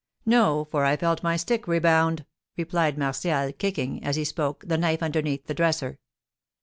"No; for I felt my stick rebound!" replied Martial, kicking, as he spoke, the knife underneath the dresser.